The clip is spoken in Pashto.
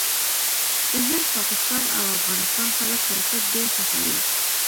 د هند، پاکستان او افغانستان خلک کرکټ ډېر خوښوي.